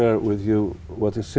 rất thú vị